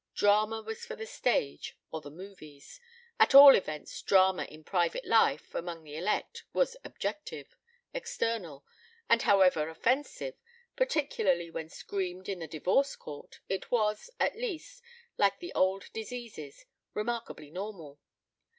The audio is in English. Drama was for the stage or the movies; at all events drama in private life, among the elect, was objective, external, and, however offensive, particularly when screamed in the divorce court, it was, at least, like the old diseases, remarkably normal.